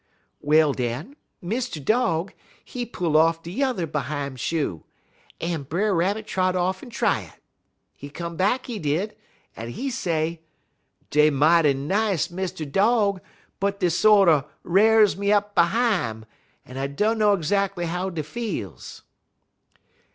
"Well, den, Mr. Dog, he pull off de yuther behime shoe, en Brer Rabbit trot off en try it. He come back, he did, en he say: "'Dey mighty nice, Mr. Dog, but dey sorter r'ars me up behime, en I dunner 'zackly how dey feels.'